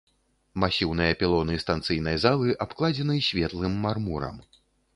Масіўныя пілоны станцыйнай залы абкладзены светлым мармурам.